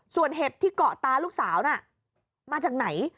ส่วนเห็บที่เกาะตาลูกสาวน่ะมาจากไหน